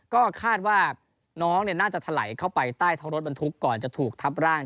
ก็คาดว่าน้องน่าจะถลายเข้าไปใต้ท้องรถบรรทุกก่อนจะถูกทับร่าง